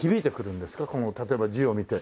例えば字を見て。